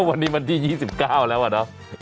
วันนี้วันที่๒๙แล้วอะเนาะ